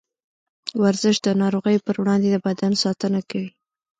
ورزش د نارغيو پر وړاندې د بدن ساتنه کوي.